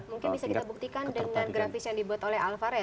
mungkin bisa kita buktikan dengan grafis yang dibuat oleh alvara ya